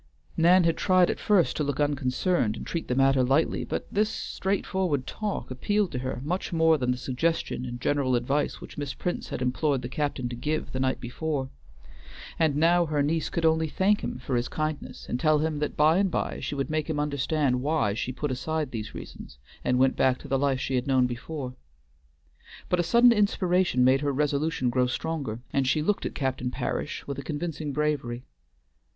Nan had tried at first to look unconcerned and treat the matter lightly, but this straightforward talk appealed to her much more than the suggestion and general advice which Miss Prince had implored the captain to give the night before. And now her niece could only thank him for his kindness, and tell him that by and by she would make him understand why she put aside these reasons, and went back to the life she had known before. But a sudden inspiration made her resolution grow stronger, and she looked at Captain Parish with a convincing bravery.